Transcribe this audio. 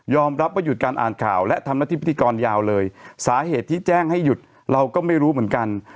รับว่าหยุดการอ่านข่าวและทำหน้าที่พิธีกรยาวเลยสาเหตุที่แจ้งให้หยุดเราก็ไม่รู้เหมือนกัน